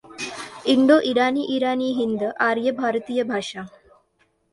Indo इराणी इराणी हिंद आर्य भारतीय भाषा.